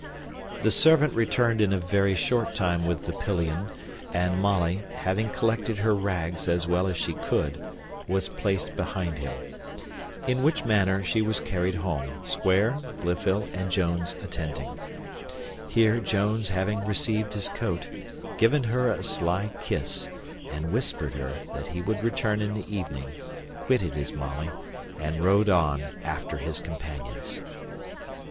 The servant returned in a very short time with the pillion, and Molly, having collected her rags as well as she could, was placed behind him. In which manner she was carried home, Square, Blifil, and Jones attending. Here Jones having received his coat, given her a sly kiss, and whispered her, that he would return in the evening, quitted his Molly, and rode on after his companions.